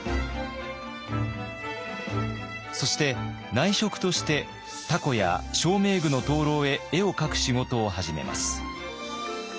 そして内職として凧や照明具の灯籠へ絵を描く仕事を始めます。